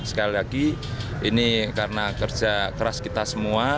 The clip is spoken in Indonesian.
sekali lagi ini karena kerja keras kita semua